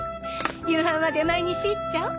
夕飯は出前にしちゃお。